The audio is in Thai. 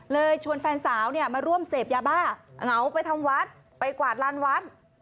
ชวนแฟนสาวเนี่ยมาร่วมเสพยาบ้าเหงาไปทำวัดไปกวาดลานวัด